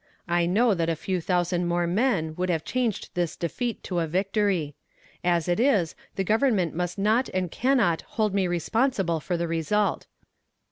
I know that a few thousand more men would have changed this defeat to a victory. As it is, the Government must not and cannot hold me responsible for the result.